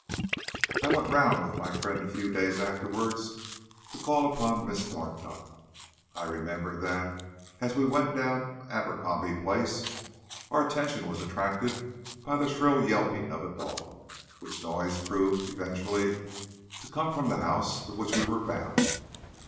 I went round with my friend a few days afterwards to call upon Miss Northcott. I remember that, as we went down Abercrombie Place, our attention was attracted by the shrill yelping of a dog which noise proved eventually to come from the house to which we were bound.